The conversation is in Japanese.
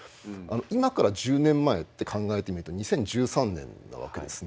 今から１０年前って考えてみると２０１３年なわけですね。